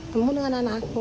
temu dengan anak aku tuh